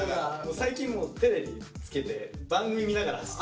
最近もうテレビつけて番組見ながら走ってます。